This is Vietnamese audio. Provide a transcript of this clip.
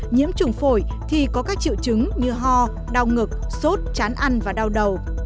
nhiễm trùng phổi thì có các triệu chứng như ho đau ngực sốt chán ăn và đau đầu